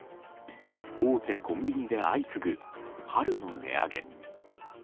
大手コンビニで相次ぐ春の値上げ。